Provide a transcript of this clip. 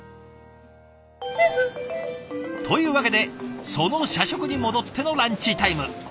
というわけでその社食に戻ってのランチタイム。